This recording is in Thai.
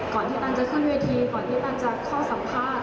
ก่อนที่ตันจะขึ้นเวทีก่อนที่ตันจะเข้าสัมภาษณ์